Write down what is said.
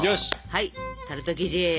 はいタルト生地。